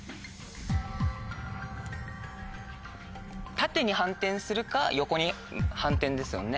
縦に反転するか横に反転ですよね